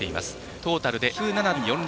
トータルで１０７．４０。